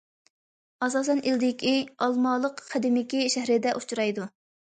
ئاساسەن ئىلىدىكى ئالمالىق قەدىمكى شەھىرىدە ئۇچرايدۇ.